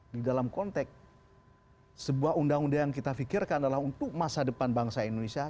di dalam konteks sebuah undang undang yang kita pikirkan adalah untuk masa depan bangsa indonesia